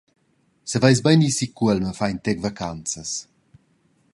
Saveis bein ir si cuolm a far in tec vacanzas.»